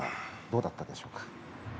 どうだったでしょうか？